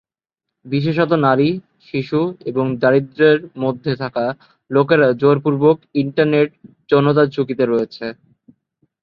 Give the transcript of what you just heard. বিশেষত নারী, শিশু এবং দারিদ্র্যের মধ্যে থাকা লোকেরা জোর পূর্বক ইন্টারনেট যৌনতার ঝুঁকিতে রয়েছে।